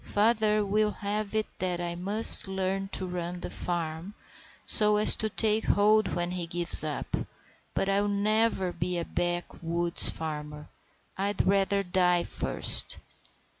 Father will have it that I must learn to run the farm, so as to take hold when he gives up. But I'll never be a backwoods farmer; I'd rather die first!"